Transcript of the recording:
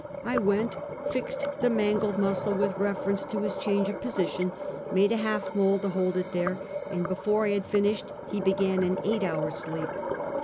I went, fixed the man gled muscle with reference to his change of position, made a half mould to hold it there, and before I had finished he began an eight hour sleep.